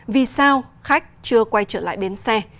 vì sao khách chưa quay trở lại bến xe